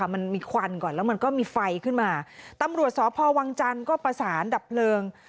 มันมีควันก่อนแล้วมันก็มีไฟขึ้นมาตำรวจสพวังจันทร์ก็ประสานดับเพลิง